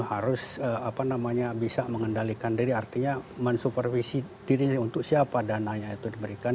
harus apa namanya bisa mengendalikan diri artinya mensupervisi diri untuk siapa dananya itu diberikan